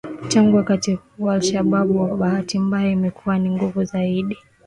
Tangu wakati huo al Shabab kwa bahati mbaya imekuwa na nguvu zaidi